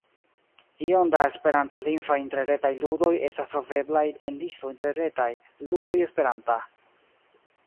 Iom da esperantlingvaj interretaj ludoj estas troveblaj en listo Interretaj ludoj esperanta.